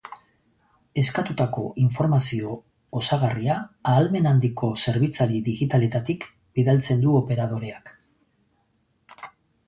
Eskatutako informazio osagarria ahalmen handiko zerbitzari digitaletatik bidaltzen du operadoreak.